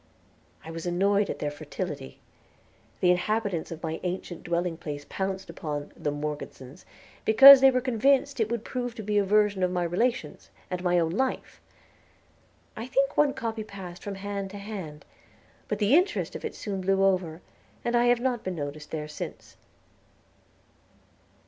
I was annoyed at their fertility. The inhabitants of my ancient dwelling place pounced upon "The Morgesons," because they were convinced it would prove to be a version of my relations, and my own life. I think one copy passed from hand to hand, but the interest in it soon blew over, and I have not been noticed there since.